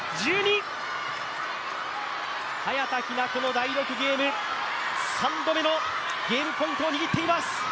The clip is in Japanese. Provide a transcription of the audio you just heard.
早田ひな、この第６ゲーム、３度目のゲームポイントを握っています。